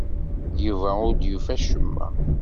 Yuba ur d-yufi acemma.